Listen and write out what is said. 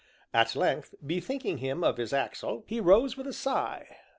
At length, bethinking him of his axle, he rose with a sigh.